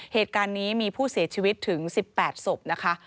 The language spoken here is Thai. เหตุการณ์นี้มีผู้เสียชีวิตถึง๑๘ศพนะคะ